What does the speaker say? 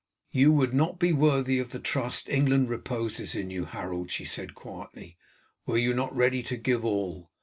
"You would not be worthy of the trust England reposes in you, Harold," she said quietly, "were you not ready to give all.